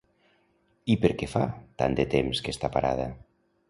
I per què fa tant de temps que està parada?